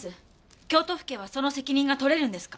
京都府警はその責任が取れるんですか？